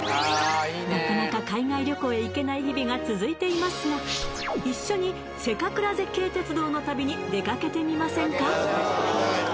なかなか海外旅行へ行けない日々が続いていますが一緒にせかくら絶景鉄道の旅に出かけてみませんか？